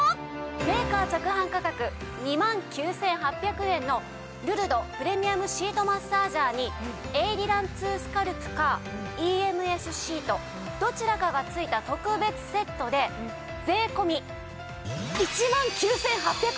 メーカー直販価格２万９８００円のルルドプレミアムシートマッサージャーにエイリラン２スカルプかＥＭＳシートどちらかが付いた特別セットで税込１万９８００円です。